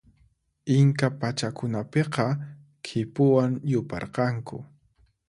Inca pachakunapiqa khipuwan yuparqanku.